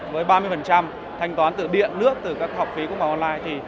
với ba mươi thanh toán từ điện nước từ các học phí cũng vào online